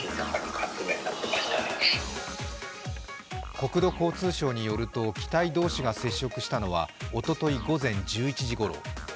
国土交通省によると、機体同士が接触したのはおととい午前１０時ごろ。